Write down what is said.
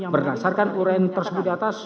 berdasarkan uraian tersebut di atas